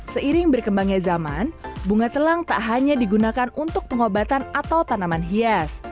seiring berkembangnya zaman bunga telang tak hanya digunakan untuk pengobatan atau tanaman hias